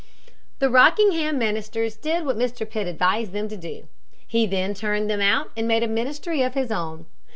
The Rockingham ministers did what Mr. Pitt advised them to do. He then turned them out and made a ministry of his own.